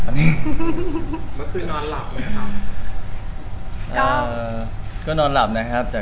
คุณคืนอนหลับไหมฮะ